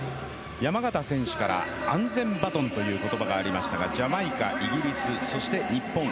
山縣選手から安全バトンという言葉がありましたがジャマイカ、イギリスそして日本。